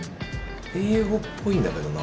英語っぽいんだけどな。